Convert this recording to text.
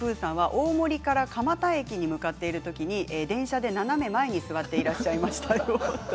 大森から蒲田駅に向かっていた時電車で斜め前に座っていらっしゃいました。